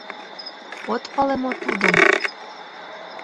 — От пале мо тудым?